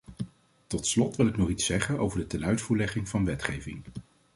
Tot slot wil ik nog iets zeggen over de tenuitvoerlegging van wetgeving.